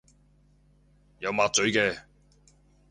有抹嘴嘅